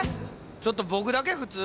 ちょっと僕だけ普通？